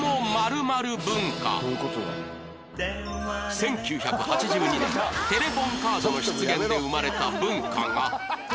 １９８２年テレホンカードの出現で生まれた文化が